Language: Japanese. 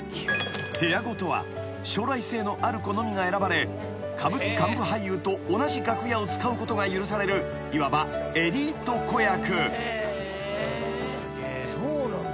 ［部屋子とは将来性のある子のみが選ばれ歌舞伎幹部俳優と同じ楽屋を使うことが許されるいわばエリート子役］